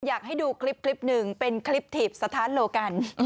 อยากให้ดูคลิปหนึ่งเป็นคลิปถีบสถานโลกัน